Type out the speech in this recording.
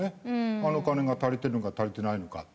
あの金が足りてるのか足りてないのか。